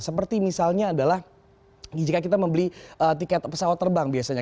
seperti misalnya adalah jika kita membeli tiket pesawat terbang biasanya